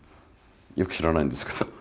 よく知らないんですけど。